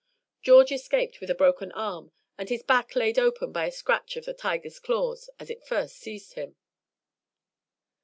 George escaped with a broken arm and his back laid open by a scratch of the tiger's claws as it first seized him.